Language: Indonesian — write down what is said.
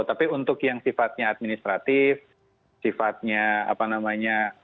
tapi untuk yang sifatnya administratif sifatnya apa namanya